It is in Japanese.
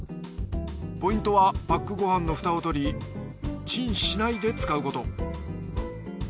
ポイントはパックご飯の蓋を取りチンしないで使うこと。